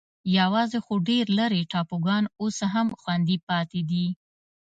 یوازې څو ډېر لرې ټاپوګان اوس هم خوندي پاتې دي.